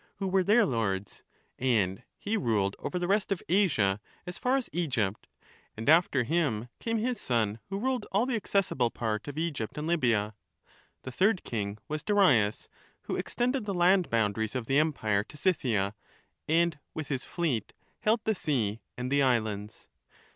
who were their lords, and he ruled over the rest of Asia, as far as Egypt ; and after him came his son, who ruled all the accessible part of Egypt and Libya ; the third king was Darius, who extended the land boundaries of the empire to 240 Scythia, and with his fleet held the sea and the islands.